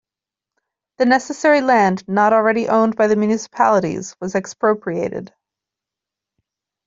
The necessary land not already owned by the municipalities was expropriated.